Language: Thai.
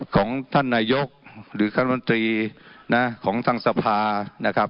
ของท่านนายกหรือคณะมนตรีนะของทางสภานะครับ